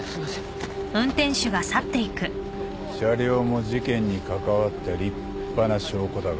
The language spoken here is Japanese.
車両も事件に関わった立派な証拠だが。